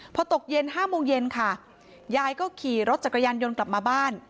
พอตกเย็น๕โมงเย็นค่ะยายก็ขี่รถจักรยานยนต์กลับมาบ้าน